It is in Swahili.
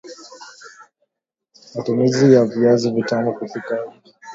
Matumizi ya Viazi Vitamu kupikia uji